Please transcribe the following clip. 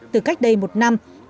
từ cách đây một nách